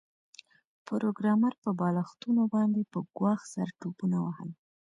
پروګرامر په بالښتونو باندې په ګواښ سره ټوپونه وهل